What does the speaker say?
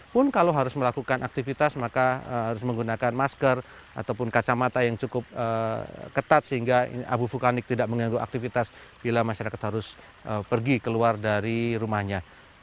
pun kalau harus melakukan aktivitas maka harus menggunakan masker ataupun kacamata yang cukup ketat sehingga abu vulkanik tidak mengganggu aktivitas bila masyarakat harus pergi keluar dari rumahnya